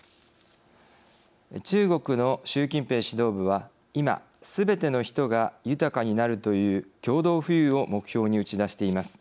中国の習近平指導部は今すべての人が豊かになるという共同富裕を目標に打ち出しています。